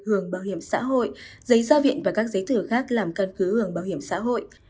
hưởng bảo hiểm xã hội giấy gia viện và các giấy thử khác làm căn cứ hưởng bảo hiểm xã hội